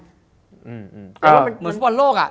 เหมือนชุดบอลโลกอะ